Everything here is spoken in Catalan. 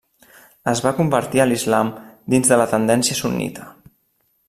Es va convertir a l'islam dins de la tendència sunnita.